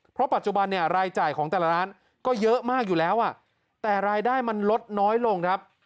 เพราะปัจจุบันเนี่ยรายจ่ายของแต่ละร้านก็เยอะมากอยู่แล้วแต่รายได้มันลดน้อยลงครับ